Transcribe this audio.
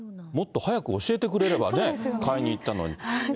もっと早く教えてくれればね、買いに行ったのに。